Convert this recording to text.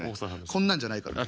こんなんじゃないからね。